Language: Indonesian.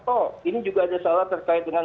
oh ini juga ada salah terkait dengan